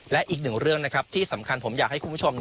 และอีกหนึ่งเรื่องนะครับที่สำคัญผมอยากให้คุณผู้ชม